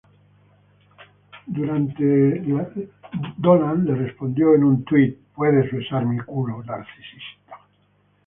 Dolan le respondió en un tweet: "Puedes besar mi culo narcisista".